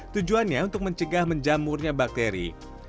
tujuannya untuk mencegah menjamurnya bakteri